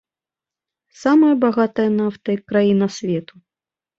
Самая багатая нафтай краіна свету.